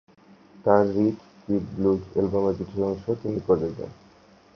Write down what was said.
তার Rich Kid Blues অ্যালবামের কিছু অংশ তিনি করে দেন।